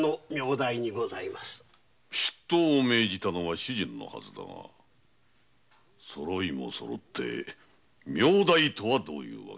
出頭を命じたのは主人のはずだがそろいもそろって名代とはどういうわけだ？